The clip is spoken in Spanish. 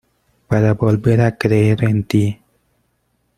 para volver a creer en ti.